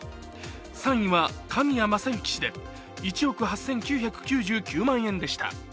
３位は神谷政幸氏で１億８９９９万円でした。